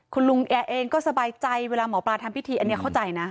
คุณลุงแอร์เองก็สบายใจเวลาหมอปลาทำพิธีอันนี้เข้าใจนะ